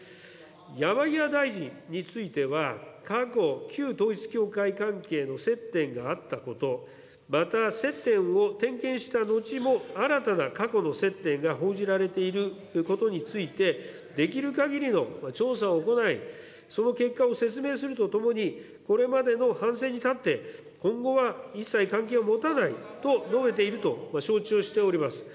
山際大臣については、過去、旧統一教会関係の接点があったこと、また接点を点検した後も新たな過去の接点が報じられていることについて、できるかぎりの調査を行い、その結果を説明するとともに、これまでの反省に立って、今後は一切関係を持たないと述べていると承知をしております。